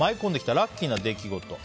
ラッキーな出来事。